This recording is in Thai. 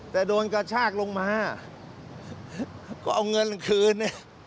แต่โดนกระชากลงมาก็เอาเงินคืนเนี่ย